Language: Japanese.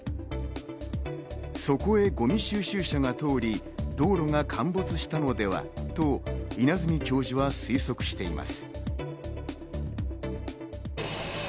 そこへゴミ収集車が通り、道路が陥没したのではと稲積教授は推測しています。